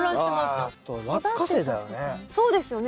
あとラッカセイだよね。